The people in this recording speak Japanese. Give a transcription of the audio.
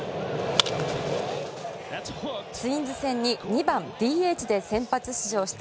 ツインズ戦に２番ＤＨで先発出場した